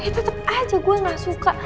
tetap aja gue gak suka